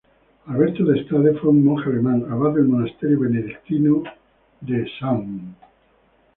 Alberto de Stade fue un monje alemán, abad del monasterio benedictino de "St.